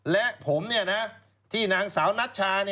และผมที่นางสาวนัชชา